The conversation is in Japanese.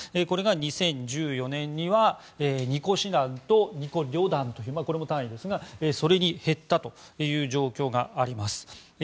これが２０１４年には２個師団と２個旅団というこれも単位ですがそれに減ったという状況があります。